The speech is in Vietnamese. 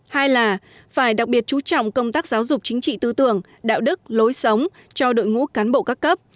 hai là phải đặc biệt chú trọng công tác giáo dục chính trị tư tưởng đạo đức lối sống cho đội ngũ cán bộ các cấp